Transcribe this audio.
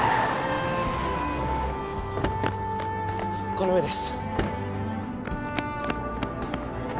この上です。